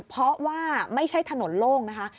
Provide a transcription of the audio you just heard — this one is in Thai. เพราะว่าไม่ใช่ถนนโล่งนะคะ